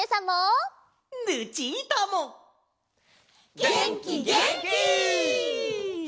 げんきげんき！